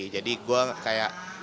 jadi gue kayak